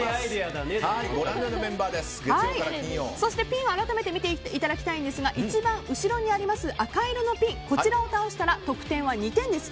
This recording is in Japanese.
ピンを改めて見ていただきたいんですが一番後ろにあります赤色のピンこちらを倒したら得点は２点です。